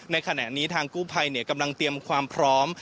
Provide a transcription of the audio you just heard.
ในขณะนี้ทางกู้ภัยกำลังเตรียมความพร้อม